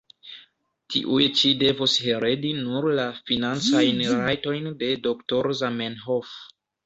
Tiuj ĉi devos heredi nur la financajn rajtojn de Dro Zamenhof.